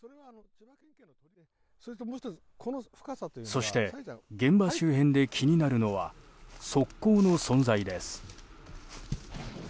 そして、現場周辺で気になるのは側溝の存在です。